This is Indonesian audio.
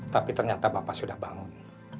tapi ternyata bapak sudah bangun